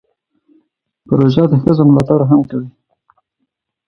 پروژه د ښځو ملاتړ هم کوي.